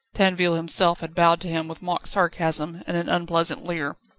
Tinville himself had bowed to him with mock sarcasm and an unpleasant leer.